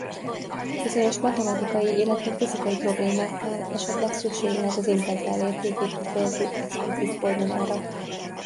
Bizonyos matematikai illetve fizikai problémáknál esetleg szükség lehet az integrál értékét kifejező explicit formulára.